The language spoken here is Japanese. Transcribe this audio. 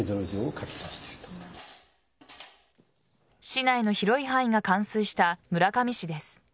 市内の広い範囲が冠水した村上市です。